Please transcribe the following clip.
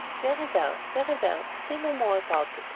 "Very well, very well; say no more about it.